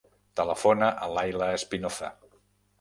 Telefona a l'Ayla Espinoza.